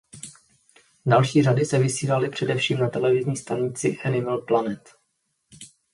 Další řady se vysílaly především na televizní stanici Animal Planet.